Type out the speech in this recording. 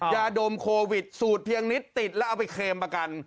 ยาดมโควิดสูตรเพียงนิดติดแล้วเอาไปเคลมประกัน